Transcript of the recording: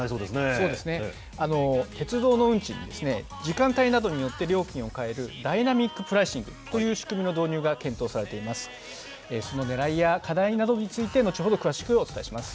そうですね、鉄道の運賃ですね、時間帯などによって料金を変える、ダイナミックプライシングという仕組みの導入が検討されています。